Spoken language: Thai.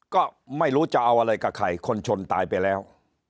ก็ไม่รู้จะเอาอะไรกับใครคนชนตายไปแล้ว